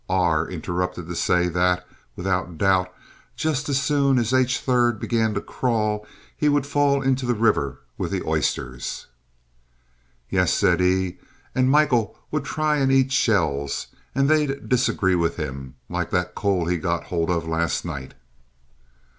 R interrupted to say that, without doubt, just as soon as H. 3rd began to crawl, he would fall into the river with the oysters. "Yes," said E , "and Michael would try and eat shells, and they'd disagree with him, like that coal he got hold of last night."